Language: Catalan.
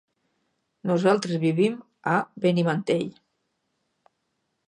Nosaltres vivim a Benimantell.